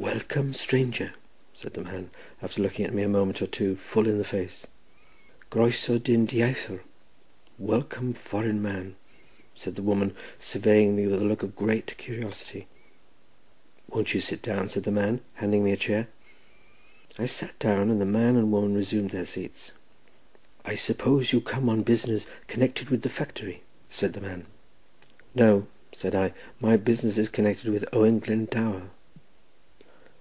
"Welcome, stranger," said the man, after looking me a moment or two full in the face. "Croesaw, dyn dieithr—welcome, foreign man," said the woman, surveying me with a look of great curiosity. "Won't you sit down?" said the man, handing me a chair. I sat down, and the man and woman resumed their seats. "I suppose you come on business connected with the factory?" said the man. "No," said I, "my business is connected with Owen Glendower."